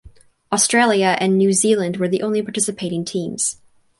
Australia and New Zealand were the only participating teams.